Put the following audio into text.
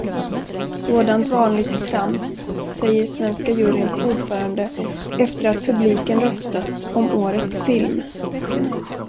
Sådant vanligt trams säger svenska juryns ordförande efter att publiken röstat om årets film.